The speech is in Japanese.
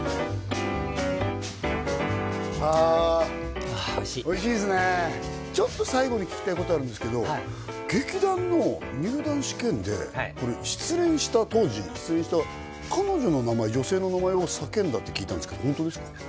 わあおいしいおいしいですねちょっと最後に聞きたいことあるんですけど劇団の入団試験で失恋した当時失恋した彼女の名前女性の名前を叫んだって聞いたんですけどホントですか？